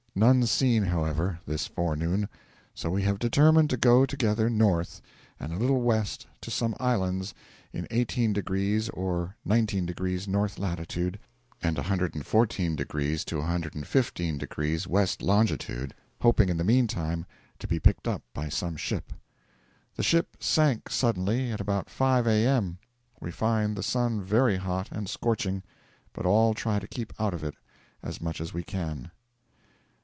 None seen, however, this forenoon, so we have determined to go together north and a little west to some islands in 18 degrees or 19 degrees north latitude and 114 degrees to 115 degrees west longitude, hoping in the meantime to be picked up by some ship. The ship sank suddenly at about 5 A.M. We find the sun very hot and scorching, but all try to keep out of it as much as we can.